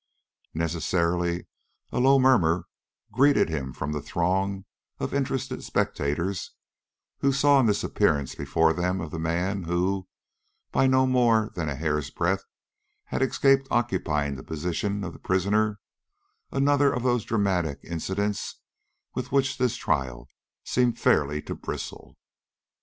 Necessarily a low murmur greeted him from the throng of interested spectators who saw in this appearance before them of the man who, by no more than a hair's breadth, had escaped occupying the position of the prisoner, another of those dramatic incidents with which this trial seemed fairly to bristle.